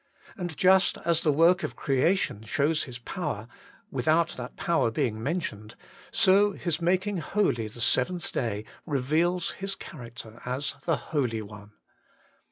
And just as the work of creation shows His Power, without that Power being mentioned, so His making holy the seventh day reveals His character as the Holy One.